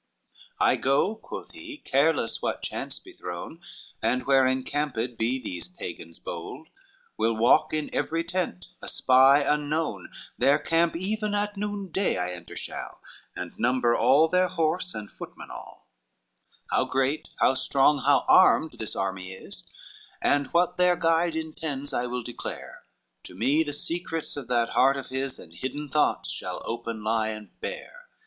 "I go," quoth he, "careless what chance be thrown, And where encamped be these Pagans bold, Will walk in every tent a spy unknown, Their camp even at noon day I enter shall, And number all their horse and footmen all; LIX "How great, how strong, how armed this army is, And what their guide intends, I will declare, To me the secrets of that heart of his And hidden thoughts shall open lie and bare."